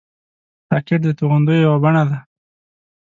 راکټ د توغندیو یوه بڼه ده